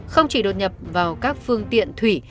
không chỉ đột nhập vào các phương tiện thủy